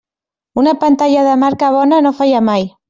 Una pantalla de marca bona no falla mai.